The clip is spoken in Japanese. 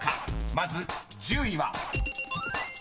［まず１０位は］